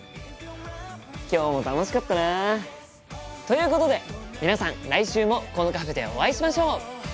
今日も楽しかったな。ということで皆さん来週もこのカフェでお会いしましょう！